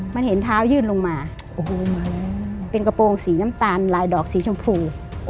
มันเห็นเท้ายื่นลงมาโอ้โหเป็นกระโปรงสีน้ำตาลลายดอกสีชมพู